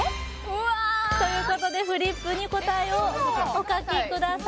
うわということでフリップに答えをお書きください